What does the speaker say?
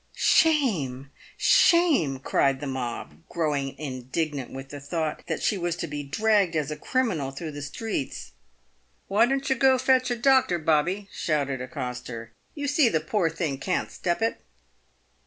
" Shame ! shame !" cried the mob, growing indignant with the thought that she was to be dragged as a criminal through the streets. " Why don't you go and fetch a doctor, Bobby," shouted a coster ;" you see the poor thing can't step it."